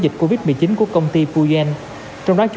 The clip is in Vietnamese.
bởi vì nếu như trong số f một